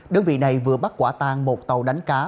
đơn vị này vừa bắt quả tang một tàu đánh cá